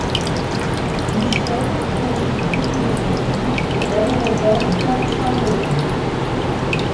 Michel a perdu le doudou de sa fille à l’aéroport de Paris-Charles-de-Gaulle.